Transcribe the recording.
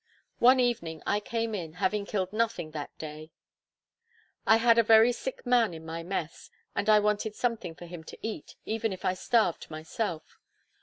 One evening I came in, having killed nothing that day. I had a very sick man in my mess, and I wanted something for him to eat, even if I starved myself.